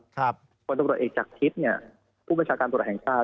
คนตำรวจเอกจากทิศผู้ประชาการตรวจแห่งศาสตร์